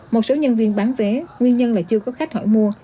một số nhân viên bán vé nguyên nhân là chưa có khách hỏi mua